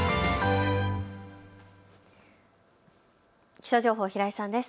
気象情報、平井さんです。